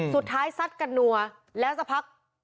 สุดท้ายซัดกระหนัวแล้วสักพัก